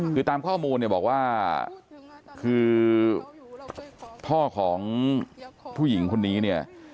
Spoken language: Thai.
คือตามข้อมูลเนี่ยบอกว่าคือพ่อของผู้หญิงคนนี้เนี่ย